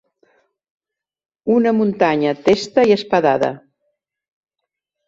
Una muntanya testa i espadada.